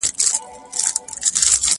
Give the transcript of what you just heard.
تیوري ولولئ.